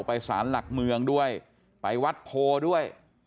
ไปสรรหลากเมืองไปวัดพูด้วย